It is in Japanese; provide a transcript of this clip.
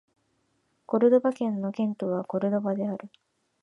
コルドバ県の県都はコルドバである